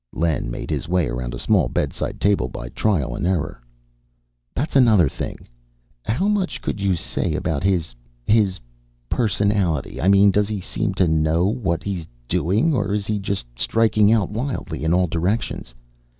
Len made his way around a small bedside table by trial and error. "That's another thing. How much could you say about his his personality? I mean does he seem to know what he's doing, or is he just striking out wildly in all directions?"